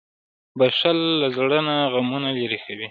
• بښل له زړه نه غمونه لېرې کوي.